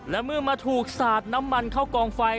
และเมื่อมาถูกสาดน้ำมันเข้ากองไฟ